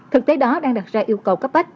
thực tế đó đang đặt ra yêu cầu cấp bách